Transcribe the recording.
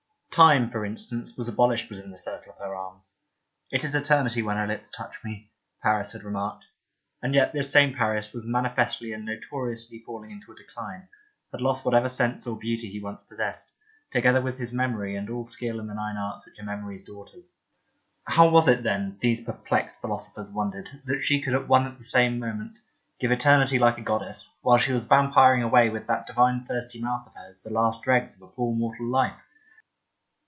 Time, for instance, was abolished within the circle of her arms. " It is eternity when her lips touch me," Paris had remarked. And yet this same Paris was mani festly and notoriously falling into a decline, had lost whatever sense or beauty he once possessed, together with his memory and all skill in the nine arts which are memory's daughters. How was it then, these perplexed philosophers wondered, that she could at one and the same moment give eternity like a goddess, while she was vampiring away with that divine thirsty mouth of hers the last dregs of a poor mortal Hfe